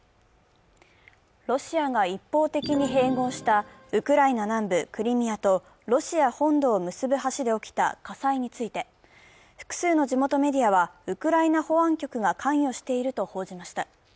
ロシアが一方的に併合したウクライナ南部クリミアと、ロシア本土を結ぶ橋で起きた火災について、複数の地元メディアは、ウクライナ保安局が関与していると報じました。